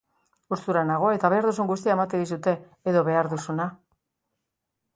Gustura nago eta behar duzun guztia ematen dizute, edo behar duzuna.